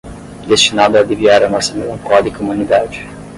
destinado a aliviar a nossa melancólica humanidade